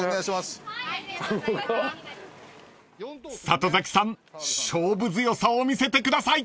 ［里崎さん勝負強さを見せてください］